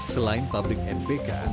selain pabrik npk